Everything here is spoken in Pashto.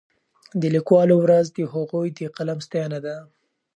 د لیکوالو ورځ د هغوی د قلم ستاینه ده.